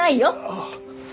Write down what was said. ああ。